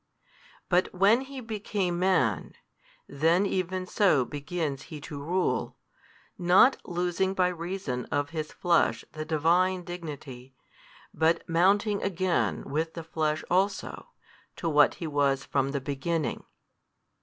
But when He became Man, then even so begins He to rule, not losing by reason of His Flesh the Divine Dignity, but mounting again with the Flesh also, to what He was from the beginning.